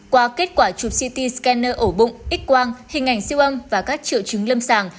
qua kết quả chụp ct scanner ổ bụng x quang hình ảnh siêu âm và các triệu chứng lâm sàng